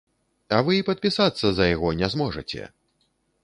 А вы і падпісацца за яго не зможаце!